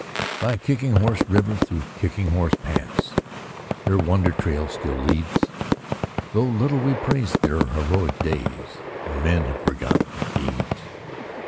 By Kicking Horse River, through Kicking Horse Pass, Their wonder trail still leads, Though little we praise their heroic days And men have forgotten their deeds.